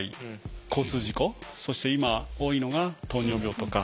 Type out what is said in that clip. そして今多いのが糖尿病とか。